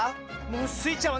スイちゃんはね